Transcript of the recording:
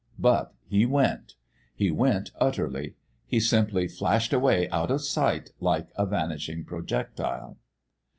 But he went. He went utterly. He simply flashed away out of sight like a vanishing projectile.